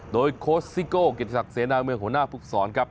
โดยโค้ชซิโก้กิจศักดิ์เสนาเมืองหัวหน้าภูกษรครับ